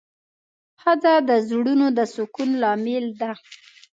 ښځه د زړونو د سکون لامل ده.